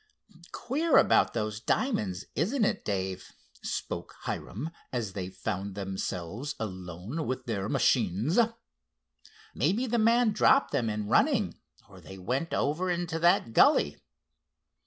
"Queer about those diamonds, isn't it, Dave?" spoke Hiram as they found themselves alone with their machines. "Maybe the man dropped them in running, or they went over into that gully."